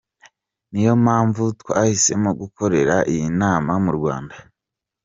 Niyo mpamvu twahisemo gukorera iyi nama mu Rwanda.